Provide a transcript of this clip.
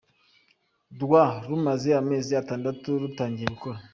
rw, rumaze amezi atandatu rutangiye gukora.